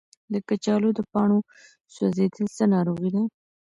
د کچالو د پاڼو سوځیدل څه ناروغي ده؟